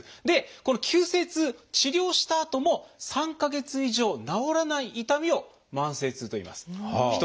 でこの急性痛治療したあとも３か月以上治らない痛みを「慢性痛」といいます。